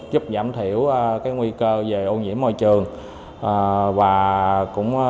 giúp giảm thiểu nguy cơ về ô nhiễm môi trường